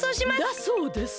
だそうです。